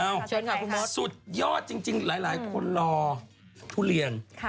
อ้าวสุดยอดจริงหลายคนรอทุเรียน